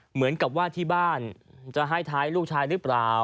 เหมือนกับว่าที่บ้านจะให้ท้ายลูกชายหรือเปล่า